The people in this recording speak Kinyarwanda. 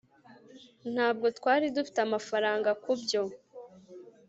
ntabwo twari dufite amafaranga kubyo